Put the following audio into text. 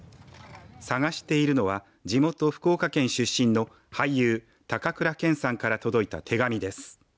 探しているのは地元、福岡県出身の俳優高倉健さんから届いた手紙です。